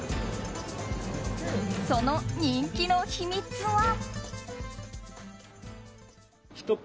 その人気の秘密は。